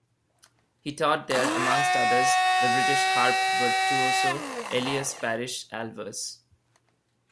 He taught there, amongst others, the British harp virtuoso Elias Parish Alvars.